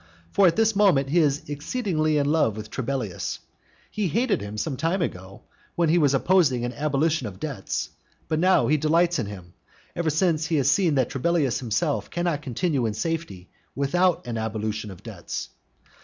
For at this moment he is exceedingly in love with Trebellius. He hated him some time ago, when he was opposing an abolition of debts, but now he delights in him, ever since he has seen that Trebellius himself cannot continue in safety without an abolition of debts.